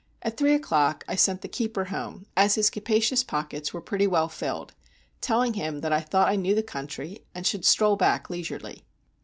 At three o'clock I sent the keeper home, as his capacious pockets were pretty well filled, telling him that I thought I knew the country, and should stroll back leisurely.